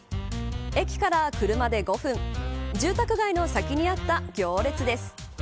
駅から車で５分住宅街の先にあった行列です。